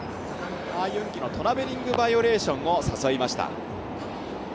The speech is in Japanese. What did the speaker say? ハ・ユンギのトラベリングバイオレーションを誘いました。